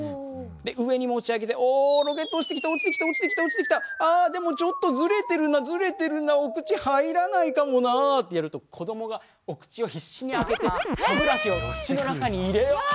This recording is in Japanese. で上に持ち上げて「おロケット落ちてきた落ちてきた落ちてきたあでもちょっとズレてるなズレてるなお口入らないかもな」ってやると子どもがお口を必死に開けて歯ブラシを口の中に入れようって頑張るんですよ。